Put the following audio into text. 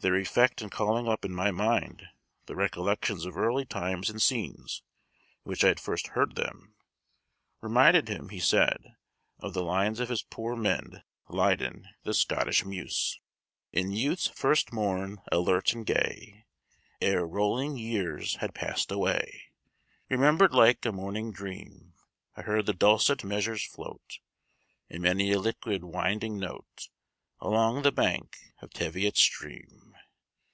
Their effect in calling up in my mind the recollections of early times and scenes in which I had first heard them, reminded him, he said, of the lines of his poor Mend, Leyden, to the Scottish muse: "In youth's first morn, alert and gay, Ere rolling years had passed away, Remembered like a morning dream, I heard the dulcet measures float, In many a liquid winding note, Along the bank of Teviot's stream.